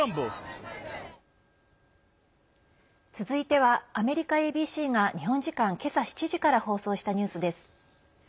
続いては、アメリカＡＢＣが日本時間けさ７時から放送したニュースです。